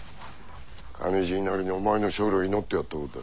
カニ爺なりにお前の勝利を祈ってやったことだ。